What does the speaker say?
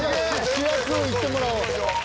主役いってもらおう。